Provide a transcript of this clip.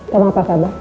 kau apa kabar